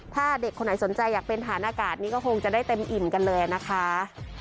ถ้าเด็กคนไหนสนใจอยากเป็นฐานอากาศนี้ก็คงจะได้เต็มอิ่มกันเลยนะคะ